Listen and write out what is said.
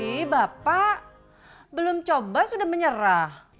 ini bapak belum coba sudah menyerah